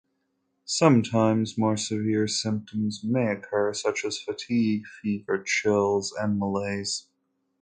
Sometimes more severe symptoms may occur, such as fatigue, fever, chills, and malaise.